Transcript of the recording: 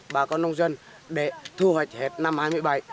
bà con nông dân để thu hoạch hết năm hai mươi bảy